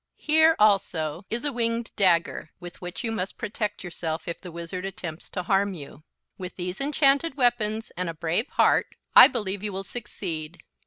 Here, also, is a winged dagger, with which you must protect yourself if the Wizard attempts to harm you. With these enchanted weapons and a brave heart I believe you will succeed.